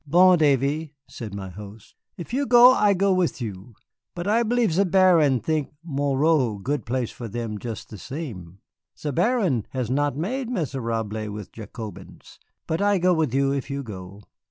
"Bon, Davy," said my host, "if you go, I go with you. But I believe ze Baron think Morro good place for them jus' the sem. Ze Baron has been make misérable with Jacobins. But I go with you if you go."